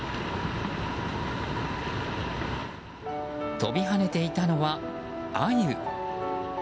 飛び跳ねていたのは、アユ。